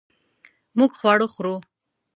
مونږ خواړه خورو